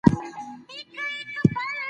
که علم نه وي نو ټولنه په تیاره کي پاتیږي.